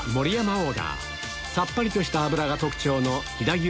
オーダーさっぱりとした脂が特徴の飛騨牛